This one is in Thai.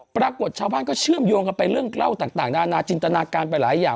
ปรากฏชาวบ้านก็เชื่อมโยงกันไปเรื่องเล่าต่างนานาจินตนาการไปหลายอย่าง